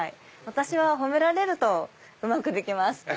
私は褒められるとうまくできます。